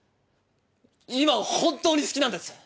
今は本当に好きなんです。